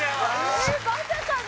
えまさかの。